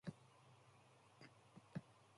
Toronto Argonauts bio